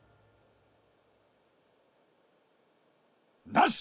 なし！